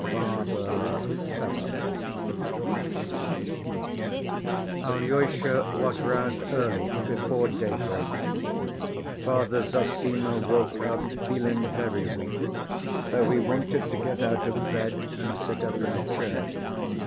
Father Ferapont Alyosha was roused early, before daybreak. Father Zossima woke up feeling very weak, though he wanted to get out of bed and sit up in a chair.